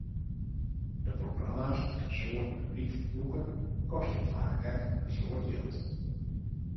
De programma's dy't in soad publyk lûke, kostje faak ek in soad jild.